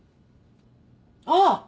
あっ。